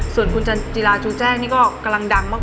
ส่วนคุณจันจิลาชูแจ้งนี่ก็กำลังดังมาก